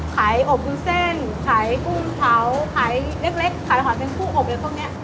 ขายอบคุ้นเส้นขายกุ้งเผาขายเล็กขายอาหารเป็นผู้อบเล็กตรงนี้